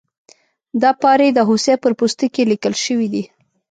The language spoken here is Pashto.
دا پارې د هوسۍ پر پوستکي لیکل شوي دي.